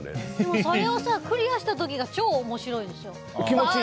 それをクリアした時が超面白いでしょ。